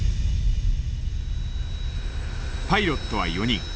パイロットは４人。